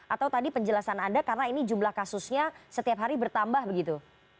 atau tadi penjelasan anda karena ini jumlah kasusnya setiap hari bertambah begitu